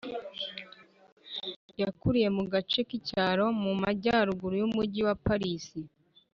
yakuriye mu gace k’icyaro mu majyaruguru y’umugi wa paris